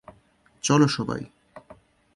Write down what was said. চলো, সবাই!